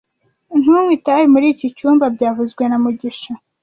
Ntunywe itabi muri iki cyumba byavuzwe na mugisha